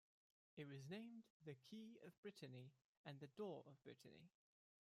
It was named "the key of Brittany" and the door of Brittany.